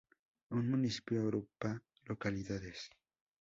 Un municipio agrupa localidades.